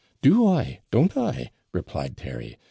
'Do I? Don't I?' replied Terry.